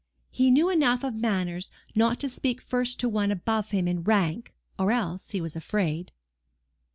He knew enough of manners not to speak first to one above him in rank, or else he was afraid.